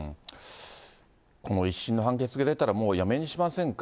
この一審の判決が出たらもうやめにしませんか。